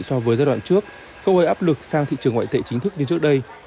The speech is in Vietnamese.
so với giai đoạn trước không gây áp lực sang thị trường ngoại tệ chính thức như trước đây